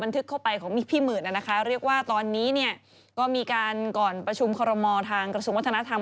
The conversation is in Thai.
ทึกเข้าไปของพี่หมื่นนะคะเรียกว่าตอนนี้เนี่ยก็มีการก่อนประชุมคอรมอทางกระทรวงวัฒนธรรม